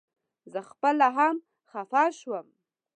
زه خپله هم خپه شوم.